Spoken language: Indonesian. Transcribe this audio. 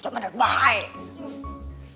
jangan bener bahaya